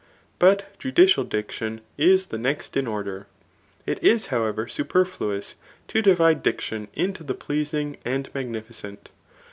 But judicial diction is the next in order. It is however superfluous to divide dic tion into the pleasmg and magnificent.